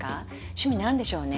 趣味何でしょうね